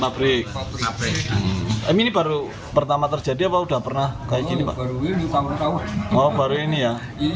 banjir bandang terjadi setelah hujan deras melanda daerah itu